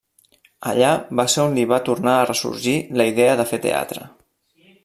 Allà va ser on li va tornar a ressorgir la idea de fer teatre.